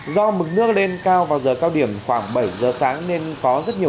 do mực nước lên cao vào giờ cao điểm khoảng bảy giờ sáng nên có rất nhiều